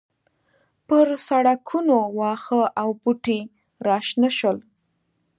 پر سړکونو واښه او بوټي راشنه شول